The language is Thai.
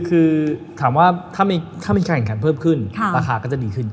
คือถามว่าถ้ามีการแข่งขันเพิ่มขึ้นราคาก็จะดีขึ้น